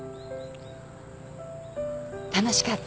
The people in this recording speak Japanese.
楽しかったね